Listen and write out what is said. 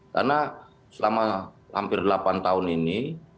karena selama hampir delapan tahun ini